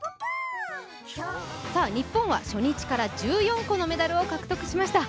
日本は初日から１４個のメダルを獲得しました。